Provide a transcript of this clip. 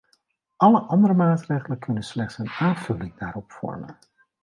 Alle andere maatregelen kunnen slechts een aanvulling daarop vormen.